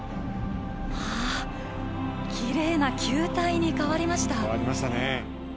ああ、きれいな球体に変わり変わりましたね。